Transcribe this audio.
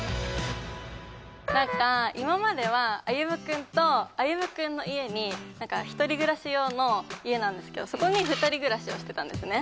何か今まではあゆむ君とあゆむ君の家に何か１人暮らし用の家なんですけどそこに２人暮らしをしてたんですね